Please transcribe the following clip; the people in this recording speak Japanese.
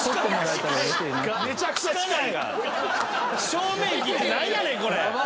正面切って何やねん⁉これ！